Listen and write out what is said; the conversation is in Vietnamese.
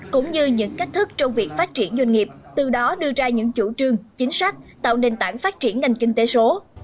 cũng như những cách thức trong việc phát triển doanh nghiệp từ đó đưa ra những chủ trương chính sách tạo nền tảng phát triển ngành kinh tế số